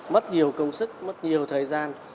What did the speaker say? mất nhiều công sức mất nhiều thời gian